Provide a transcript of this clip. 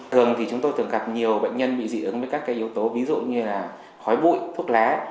thường thì chúng tôi thường gặp nhiều bệnh nhân bị dị ứng với các yếu tố ví dụ như là khói bụi thuốc lá